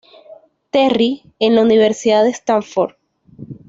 Terry, en la universidad de Stanford.